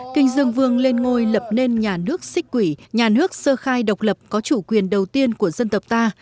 kinh dương vương lên ngôi lập nên nhà nước xích quỷ nhà nước sơ khai độc lập có chủ quyền đầu tiên của dân tộc ta